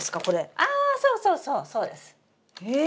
あそうそうそうそうです。え！